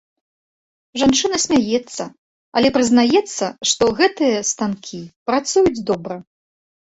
Жанчына смяецца, але прызнаецца, што гэтыя станкі працуюць добра.